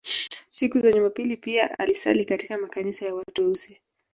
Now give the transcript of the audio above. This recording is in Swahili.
Siku za Jumapili pia alisali katika makanisa ya watu weusi